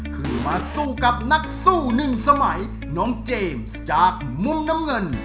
ขึ้นมาสู้กับนักสู้หนึ่งสมัยน้องเจมส์จากมุมน้ำเงิน